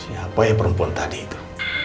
siapa yang perempuan tadi itu